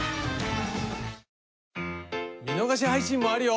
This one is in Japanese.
見逃し配信もあるよ